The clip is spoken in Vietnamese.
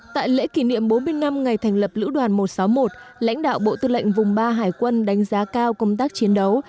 tại lễ kỷ niệm bốn mươi năm ngày thành lập lữ đoàn một trăm sáu mươi một lãnh đạo bộ tư lệnh vùng ba hải quân đánh giá cao công tác chiến đấu